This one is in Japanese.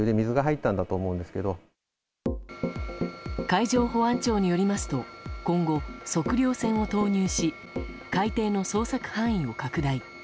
海上保安庁によりますと今後、測量船を投入し海底の捜索範囲を拡大。